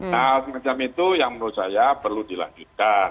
nah semenjak itu yang menurut saya perlu dilakukan